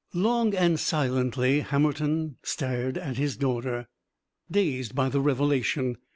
Long and silently Hammerton stared at his daughter, dazed by the revelation.